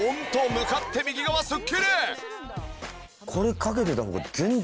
向かって右側スッキリ！